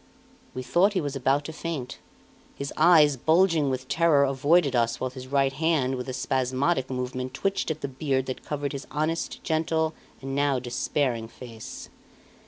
We thought he was about to faint. His eyes, bulging with terror, avoided us, while his right hand, with a spasmodic movement, twitched at the beard that covered his honest, gentle, and now despairing face.